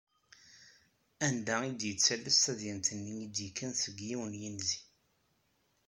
Anda i d-yettales tadyant-nni i d-yekkan seg yiwen n yinzi.